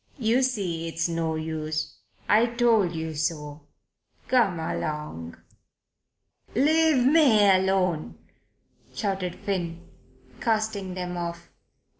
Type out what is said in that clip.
"You see it's no use. I told you so. Come along." "Leave me alone," shouted Finn, casting them off.